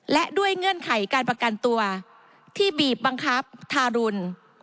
และด้วยเงื่อนไขการประกันตัวที่บีบบังคับทารุณ